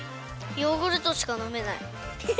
ヨーグルトしかのめない。